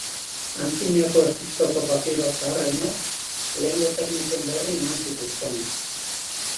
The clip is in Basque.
Antzinako Egiptoko papiro zaharrenek lehengo tekniken berri eman zituzten.